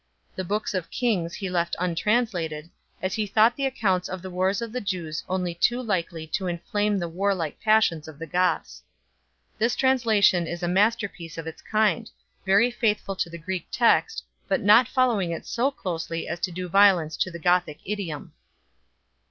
The books of Kings he left untranslated, as he thought the accounts of the wars of the Jews only too likely to inflame the warlike passions of the Goths 2 . This translation is a masterpiece of its kind, very faithful to the Greek text, but not following it so closely as to do violence to the Gothic idiom.